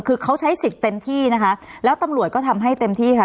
คือเขาใช้สิทธิ์เต็มที่นะคะแล้วตำรวจก็ทำให้เต็มที่ค่ะ